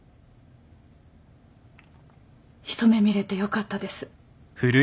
一目見れてよかったです。